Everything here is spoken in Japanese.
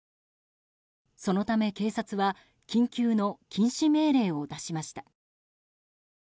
そのため警察は緊急の禁止命令を出しました。